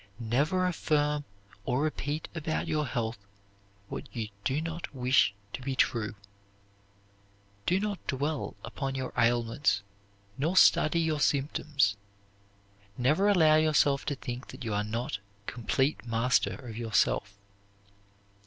Never affirm or repeat about your health what you do not wish to be true. Do not dwell upon your ailments nor study your symptoms. Never allow yourself to think that you are not complete master of yourself.